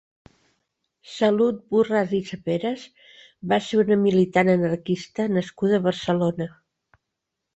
Salut Borràs i Saperas va ser una militant anarquista nascuda a Barcelona.